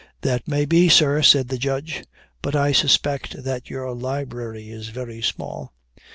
"That may be, sir," said the Judge; "but I suspect that your library is very small."